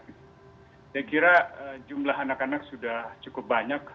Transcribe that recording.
saya kira jumlah anak anak sudah cukup banyak